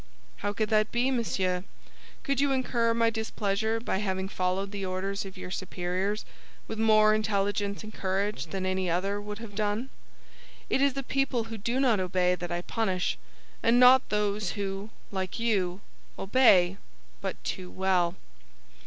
"How could that be, monsieur? Could you incur my displeasure by having followed the orders of your superiors with more intelligence and courage than another would have done? It is the people who do not obey that I punish, and not those who, like you, obey—but too well.